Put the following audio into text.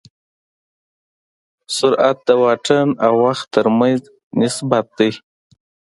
سرعت د واټن او وخت تر منځ نسبت دی.